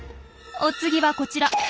お次はこちら。